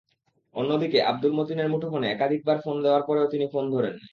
অন্যদিকে আবদুল মতিনের মুঠোফোনে একাধিকবার ফোন দেওয়ার পরেও তিনি ফোন ধরেননি।